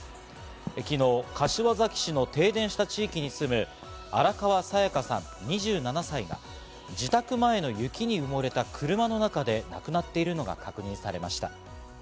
昨日、柏崎市の停電した地域に住む荒川紗夜嘉さん、２７歳が自宅前の雪に埋もれた車の中で亡くなっているのが確認されました。